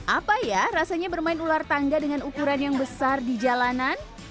apa ya rasanya bermain ular tangga dengan ukuran yang besar di jalanan